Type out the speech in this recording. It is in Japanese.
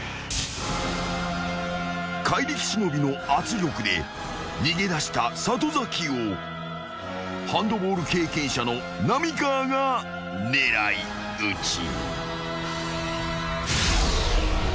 ［怪力忍の圧力で逃げ出した里崎をハンドボール経験者の浪川が狙い撃ち］